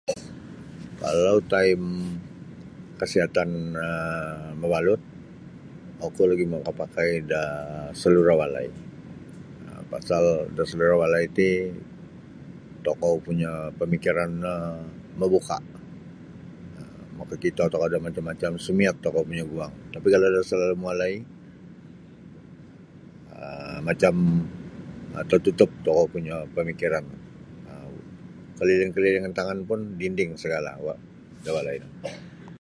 Kalau taim kasiatan um mabalut oku lagi makapakai da salura walai um pasal da salura walai ti tokou punya pamikiran noh mabuka makakito tokou da macam-macam sumiat tokou punya guang tapi kalau da salalum walai um macam um tatutup tokou punya pamikiran um keliling keliling antangan pun dinding segala da walai no.